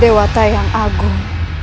dewa tak yang agung